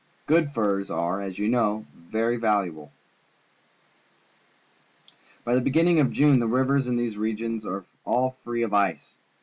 Good furs are, as you know, very valuable. By the beginning of June the rivers in these regions are all free of ice.